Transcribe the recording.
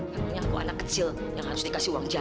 makanya aku anak kecil yang harus dikasih uang jajan